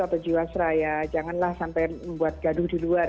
atau jiwa seraya janganlah sampai membuat gaduh di luar